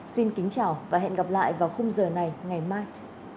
xin kính chào và hẹn gặp lại vào khung giờ này ngày mai